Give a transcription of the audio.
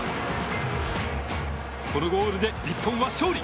このゴールで日本は勝利。